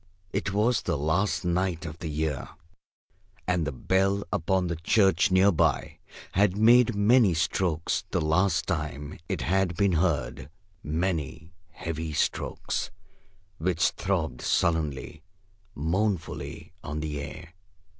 It was the last night of the year, and the bell upon the church near by had made many strokes the last time it had been heard; many heavy strokes which throbbed sullenly, mournfully on the air.